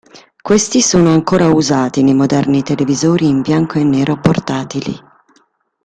Questi sono ancora usati nei moderni televisori in bianco e nero portatili.